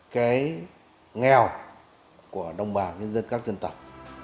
cái nghèo của đồng bào nhân dân các dân tộc